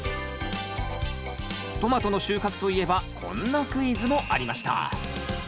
トマトの収穫といえばこんなクイズもありました